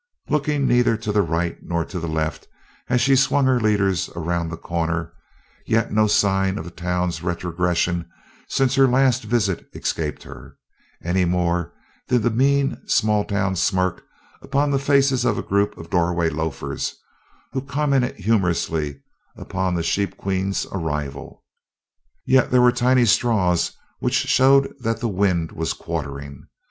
Looking neither to the right nor to the left as she swung her leaders around the corner, yet no sign of the town's retrogression since her last visit escaped her any more than did the mean small town smirk upon the faces of a group of doorway loafers, who commented humorously upon the "Sheep Queen's" arrival. Yet there were tiny straws which showed that the wind was quartering.